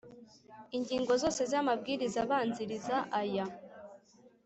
Ingingo zose z amabwiriza abanziriza aya